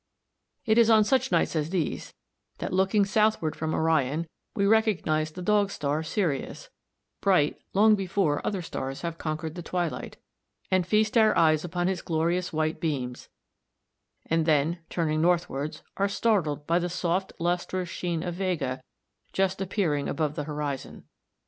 It is on such nights as these that, looking southward from Orion, we recognise the dog star Sirius, bright long before other stars have conquered the twilight, and feast our eye upon his glorious white beams; and then, turning northwards, are startled by the soft lustrous sheen of Vega just appearing above the horizon.